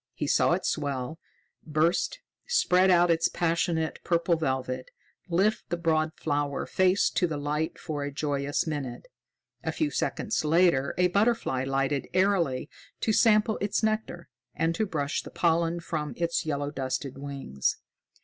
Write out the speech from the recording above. He saw it swell, burst, spread out its passionate purple velvet, lift the broad flower face to the light for a joyous minute. A few seconds later a butterfly lighted airily to sample its nectar and to brush the pollen from its yellow dusted wings.